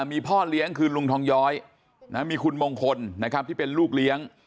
มีพ่อเลี้ยงคือลุงทองย้อยมีคุณมงคลนะครับที่เป็นลูกเลี้ยง